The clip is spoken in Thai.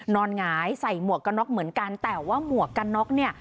หงายใส่หมวกกันน็อกเหมือนกันแต่ว่าหมวกกันน็อกเนี่ย